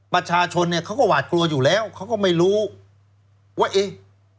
ประชาชนเนี่ยเขาก็หวาดกลัวอยู่แล้วเขาก็ไม่รู้ว่าเอ๊ะ